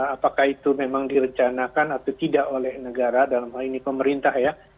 apakah itu memang direncanakan atau tidak oleh negara dalam hal ini pemerintah ya